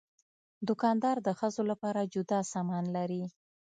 دوکاندار د ښځو لپاره جدا سامان لري.